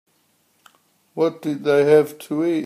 What did they have to eat?